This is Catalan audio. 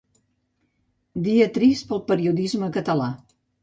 Dia trist per al periodisme català.